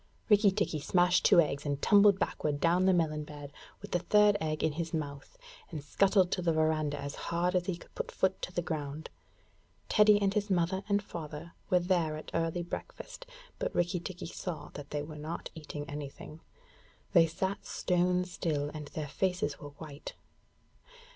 Rikki tikki smashed two eggs, and tumbled backward down the melon bed with the third egg in his mouth, and scuttled to the verandah as hard as he could put foot to the ground. Teddy and his mother and father were there at early breakfast; but Rikki tikki saw that they were not eating anything. They sat stone still, and their faces were white.